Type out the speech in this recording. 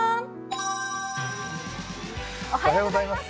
おはようございます。